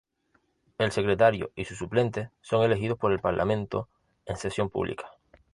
El secretario y su suplente son elegidos por el Parlamento en sesión pública.